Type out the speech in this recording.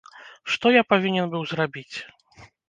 Што я павінен быў зрабіць?